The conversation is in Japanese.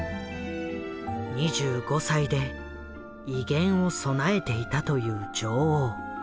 ２５歳で威厳を備えていたという女王。